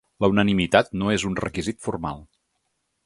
La unanimitat no és un ‘requisit formal’